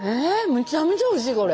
めちゃめちゃおいしいこれ。